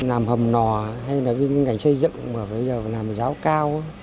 làm hầm nò hay là cái ngành xây dựng làm giáo cao